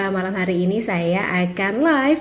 malam hari ini saya akan live